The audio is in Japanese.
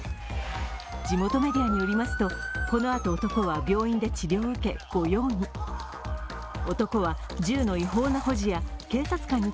地元メディアによりますと、このあと男は病院で治療を受け、御用に。